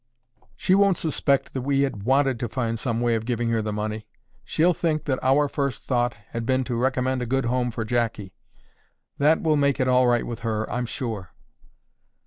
"She won't suspect that we had wanted to find some way of giving her the money. She'll think that our first thought had been to recommend a good home for Jackie. That will make it all right with her, I'm sure."